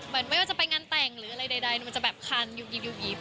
ไม่ว่าจะไปงานแต่งหรืออะไรใดมันจะแบบคันหยุบหยิบ